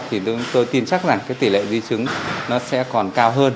thì tôi tin chắc rằng cái tỷ lệ di chứng nó sẽ còn cao hơn